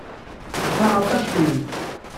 靠得住